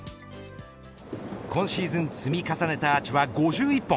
今シーズン積み重ねたアーチは５１本。